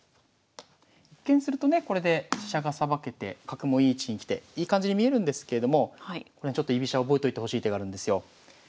一見するとねこれで飛車がさばけて角もいい位置に来ていい感じに見えるんですけれどもちょっと居飛車覚えといてほしい手があるんですよ。